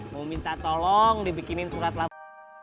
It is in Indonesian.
mau minta tolong dibikinin surat lama